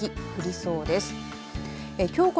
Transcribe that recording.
そうですね。